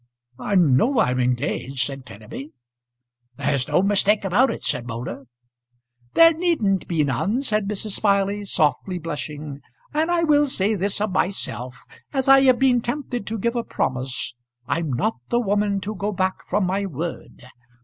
"I know I'm engaged," said Kenneby. "There's no mistake about it," said Moulder. "There needn't be none," said Mrs. Smiley, softly blushing; "and I will say this of myself as I have been tempted to give a promise, I'm not the woman to go back from my word.